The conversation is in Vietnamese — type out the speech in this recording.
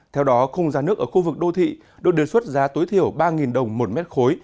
theo đó khung giá nước ở khu vực đô thị được đề xuất giá tối thiểu ba đồng một mét khối